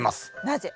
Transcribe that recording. なぜ？